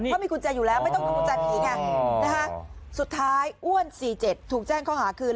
ไม่ต้องมีกุญแจผีสุดท้ายอ้วน๔๗ถูกแจ้งเขาหาคืน